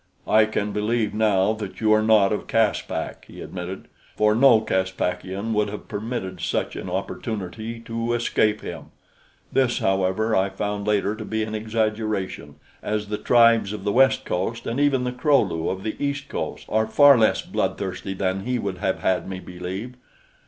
"I can believe now that you are not of Caspak," he admitted, "for no Caspakian would have permitted such an opportunity to escape him." This, however, I found later to be an exaggeration, as the tribes of the west coast and even the Kro lu of the east coast are far less bloodthirsty than he would have had me believe.